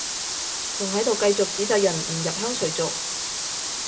仲喺度繼續指責人唔入鄉隨俗